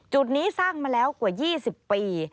จุดนี้สร้างมาแล้วกว่า๒๐ปี